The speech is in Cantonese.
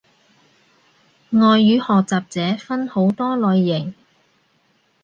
外語學習者分好多類型